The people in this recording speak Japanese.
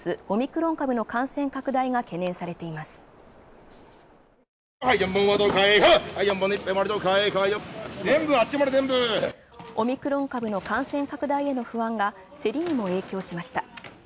オミクロン株の感染拡大への不安が、競りにも影響しました。